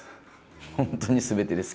本当にすべてです。